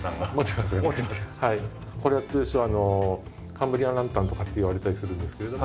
これは通称カンブリアンランタンとかって言われたりするんですけれども。